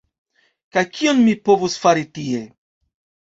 Kaj kion mi povos fari tie?